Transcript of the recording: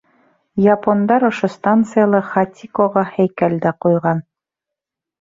Япондар ошо станцияла Хатикоға һәйкәл дә ҡуйған.